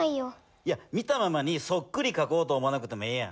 いや見たままにそっくりかこうと思わなくてもええやん。